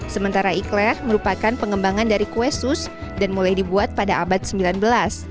sementara ikler merupakan pengembangan dari kue sus dan mulai dibuat pada abad sembilan belas